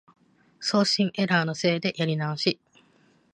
送信エラーのせいでやり直し